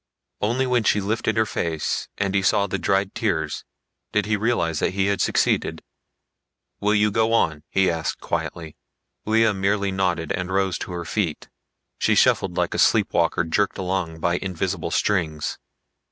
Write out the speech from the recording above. Only when she lifted her face and he saw the dried tears did he realize that he had succeeded. "You will go on?" he asked quietly. Lea merely nodded and rose to her feet. She shuffled like a sleepwalker jerked along by invisible strings.